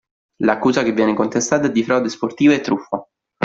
L'accusa che viene contestata è di frode sportiva e truffa.